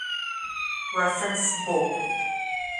Reference Bullpen